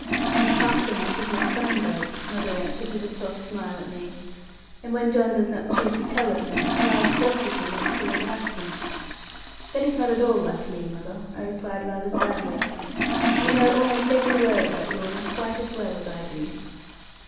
'Not half so much as my son does,' mother answered, with a soft smile at me; 'and when John does not choose to tell a thing, wild horses will not pull it out of him.' 'That is not at all like me, mother,' I replied rather sadly; 'you know almost every word about Lorna, quite as well as I do.'